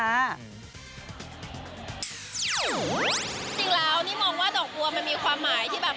จริงแล้วนี่มองว่าดอกบัวมันมีความหมายที่แบบ